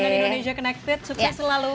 dan indonesia connected sukses selalu